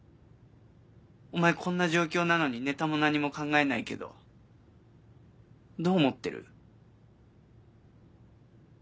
お前こんな状況なのにネタも何も考えないけどどう思ってる？